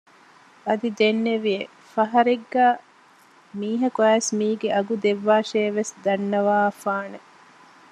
އަދި ދެންނެވިއެވެ ފަހަރެއްގައި މީހަކު އައިސް މީގެ އަގު ދެއްވާށޭ ވެސް ދަންނަވާފާނެ